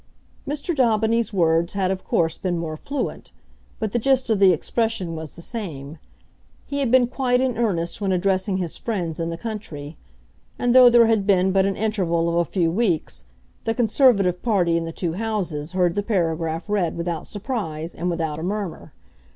Mr. Daubeny's words had of course been more fluent, but the gist of the expression was the same. He had been quite in earnest when addressing his friends in the country. And though there had been but an interval of a few weeks, the Conservative party in the two Houses heard the paragraph read without surprise and without a murmur.